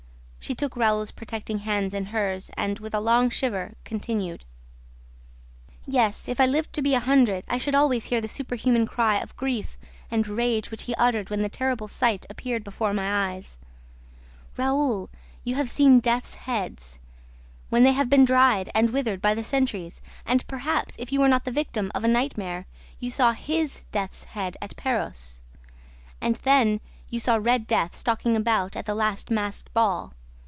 She took Raoul's protecting hands in hers and, with a long shiver, continued: "Yes, if I lived to be a hundred, I should always hear the superhuman cry of grief and rage which he uttered when the terrible sight appeared before my eyes ... Raoul, you have seen death's heads, when they have been dried and withered by the centuries, and, perhaps, if you were not the victim of a nightmare, you saw HIS death's head at Perros. And then you saw Red Death stalking about at the last masked ball.